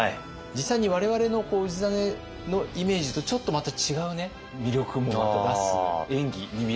実際に我々の氏真のイメージとちょっとまた違う魅力もまた出す演技に見えるんですけれども。